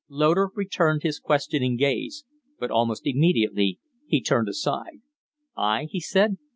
Loder returned his questioning gaze; but almost immediately he turned aside. "I?" he said.